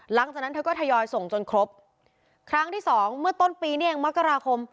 หลังจากนั้นเธอก็ทยอยส่งจนครบครั้งที่สองเมื่อต้นปีนี้เองมกราคม